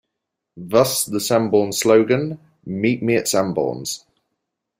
Thus the Sanborns slogan "Meet me at Sanborns".